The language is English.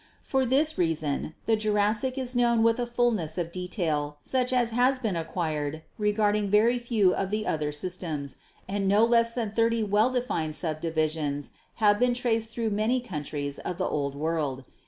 For this reason the Jurassic is known with a fulness of detail such as has been acquired regarding very few of the other systems; and no less than thirty well defined subdivisions have been traced through many countries of the Old World.